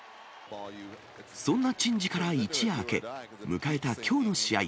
そんな珍事から一夜明け、迎えたきょうの試合。